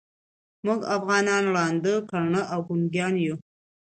موږ افغانان ړانده، کاڼه او ګونګیان یوو.